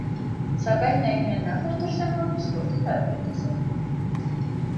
Սակայն նա իրեն լավ էր դրսևորում սպորտի տարբեր տեսակներում։